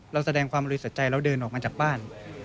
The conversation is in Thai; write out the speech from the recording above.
เราแสดงความรู้สะใจเราเดินออกมาจากบ้าน